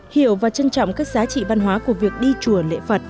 hiểu và trân trọng các giá trị văn hóa của việc đi chùa lễ phật